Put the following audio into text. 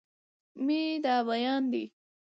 مې دا بيان دی